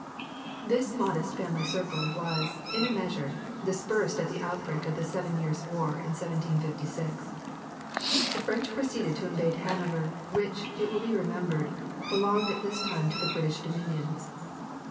This modest family circle was, in a measure, dispersed at the outbreak of the Seven Years' War in 1756. The French proceeded to invade Hanover, which, it will be remembered, belonged at this time to the British dominions.